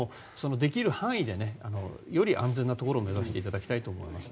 できる範囲でより安全なところを目指していただきたいと思います。